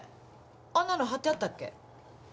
あんなのはってあったっけ？